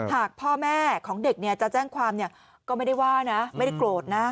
หากพ่อแม่ของเด็กจะแจ้งความก็ไม่ได้ว่านะไม่ได้โกรธนะ